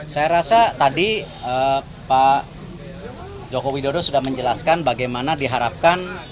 saya rasa tadi pak joko widodo sudah menjelaskan bagaimana diharapkan